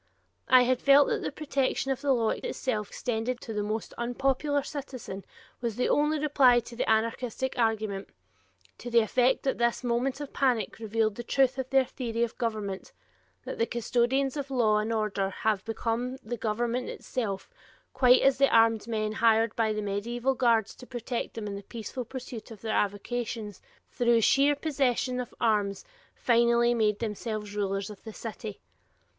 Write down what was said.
I had felt that the protection of the law itself extended to the most unpopular citizen was the only reply to the anarchistic argument, to the effect that this moment of panic revealed the truth of their theory of government; that the custodians of law and order have become the government itself quite as the armed men hired by the medieval guilds to protect them in the peaceful pursuit of their avocations, through sheer possession of arms finally made themselves rulers of the city.